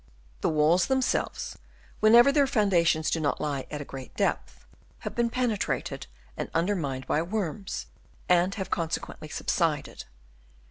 The walls themselves, when ever their foundations do not lie at a great depth, have been penetrated and undermined by worms, and have consequently subsided.